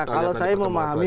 kalau saya memahami